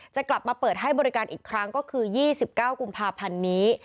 จะกลับมาเปิดให้บริการอีกครั้งก็คือ๒๙กุมภาพันธ์นี้